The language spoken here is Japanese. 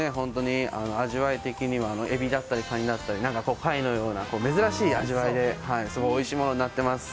味わい的には、えびだったりかにだったり、貝のような珍しい味わいで、おいしいものになってます。